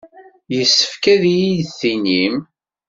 Yessefk ad iyi-d-tinim.